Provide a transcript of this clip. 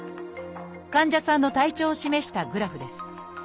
患者さんの体調を示したグラフです。